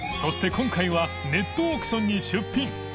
今回はネットオークションに出品磴